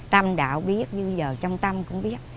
tâm đạo biết như giờ trong tâm cũng biết